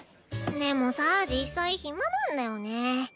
でもさ実際暇なんだよね。